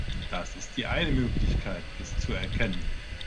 Das ist die eine Möglichkeit, es zu erkennen.